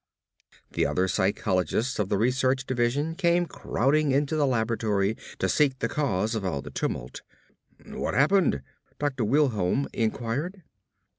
The other psychologists of the research division came crowding into the laboratory to seek the cause of all the tumult. "What happened?" Dr. Wilholm inquired.